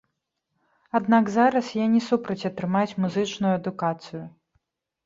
Аднак зараз я не супраць атрымаць музычную адукацыю.